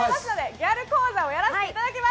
ギャル講座をやらせていただきます。